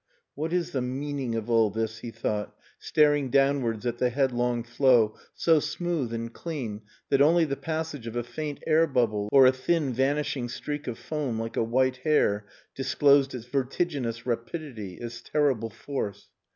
"What is the meaning of all this?" he thought, staring downwards at the headlong flow so smooth and clean that only the passage of a faint air bubble, or a thin vanishing streak of foam like a white hair, disclosed its vertiginous rapidity, its terrible force.